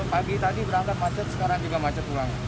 pagi tadi berangkat macet sekarang juga macet ulang